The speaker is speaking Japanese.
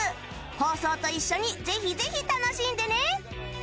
放送と一緒にぜひぜひ楽しんでね！